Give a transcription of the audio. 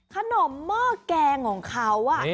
ขนมเมอร์แกงของเขาอ่ะ